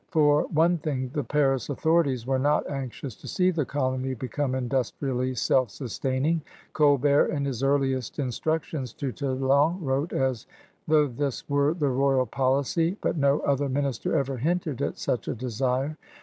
For AGRICULTURE, INDUSTRY, AND TRADE 195 one thing, the Paris authorities were not anxious to see the colony become industrially self sustain ing. Colbert in his earliest instructions to Talon wrote as though this were the royal policy, but no other minister ever hinted at such a desire.